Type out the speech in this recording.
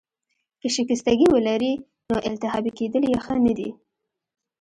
که شکستګي ولرې، نو التهابي کیدل يې ښه نه دي.